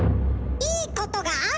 いいことがある？